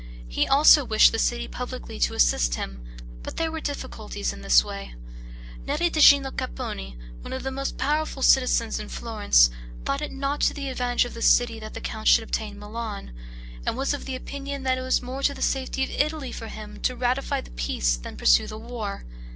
He also wished the city publicly to assist him, but there were difficulties in the way. Neri di Gino Capponi, one of the most powerful citizens of Florence, thought it not to the advantage of the city, that the count should obtain Milan; and was of opinion that it would be more to the safety of Italy for him to ratify the peace than pursue the war.